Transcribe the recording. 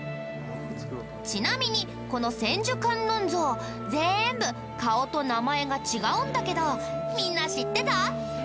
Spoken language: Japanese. ちなみにこの千手観音像全部顔と名前が違うんだけどみんな知ってた？